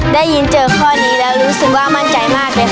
ได้ยินเจอข้อนี้แล้วรู้สึกว่ามั่นใจมากเลยค่ะ